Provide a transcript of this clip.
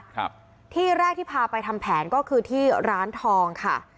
ครับที่แรกที่พาไปทำแผนก็คือที่ร้านทองค่ะ